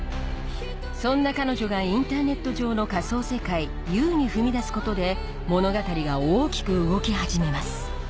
そんな彼女がインターネット上の仮想世界「Ｕ」に踏み出すことで物語が大きく動き始めます